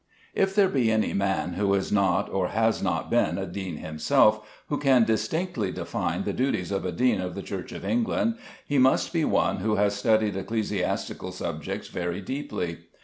If there be any man, who is not or has not been a Dean himself, who can distinctly define the duties of a Dean of the Church of England, he must be one who has studied ecclesiastical subjects very deeply.